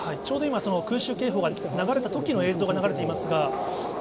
ちょうど今、その空襲警報が流れたときの映像が流れていますが。